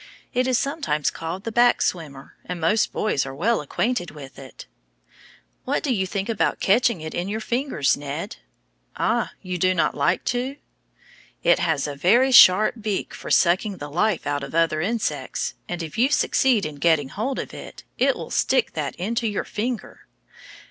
It is sometimes called the back swimmer, and most boys are well acquainted with it. What do you think about catching it in your fingers, Ned? Ah, you do not like to! It has a very sharp beak for sucking the life out of other insects, and if you succeed in getting hold of it, it will stick that into your finger.